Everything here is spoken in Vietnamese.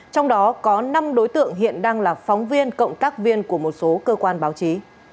trong đó có năm đối tượng hiện đang là phóng viên cộng tác viên của một số cơ quan báo chí